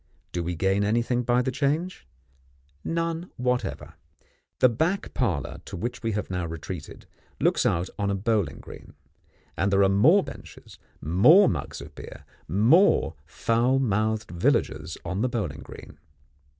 Do we gain anything by the change? None whatever. The back parlour to which we have now retreated, looks out on a bowling green; and there are more benches, more mugs of beer, more foul mouthed villagers on the bowling green.